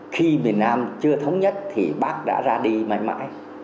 khi miền nam chưa thống nhất thì bác đã ra đi mãi mãi